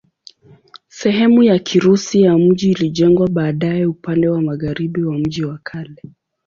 Sehemu ya Kirusi ya mji ilijengwa baadaye upande wa magharibi wa mji wa kale.